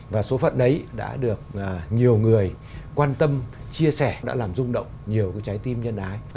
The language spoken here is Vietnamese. và số phận đấy đã được nhiều người quan tâm chia sẻ đã làm rung động nhiều cái trái tim nhân ái